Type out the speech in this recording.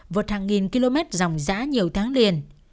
vượt hàng nghìn km dòng dã nhiều tháng liền